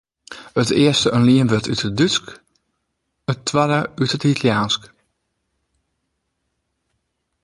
It earste in lienwurd út it Dútsk, it twadde út it Italiaansk.